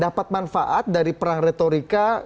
dapat manfaat dari perang retorika